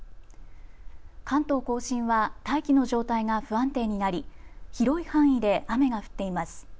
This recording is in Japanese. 関東甲信は大気の状態が不安定になり、広い範囲で雨が降っています。